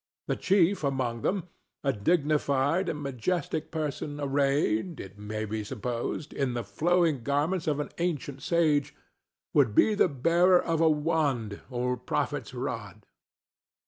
The chief among them—a dignified and majestic person arrayed, it may be supposed, in the flowing garments of an ancient sage—would be the bearer of a wand or prophet's rod.